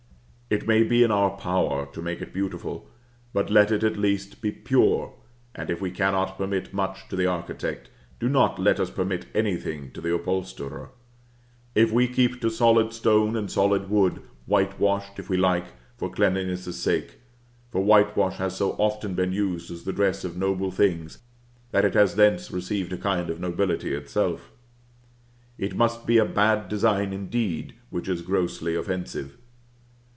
It may be in our power to make it beautiful, but let it at least be pure; and if we cannot permit much to the architect, do not let us permit anything to the upholsterer; if we keep to solid stone and solid wood, whitewashed, if we like, for cleanliness' sake (for whitewash has so often been used as the dress of noble things that it has thence received a kind of nobility itself), it must be a bad design indeed which is grossly offensive.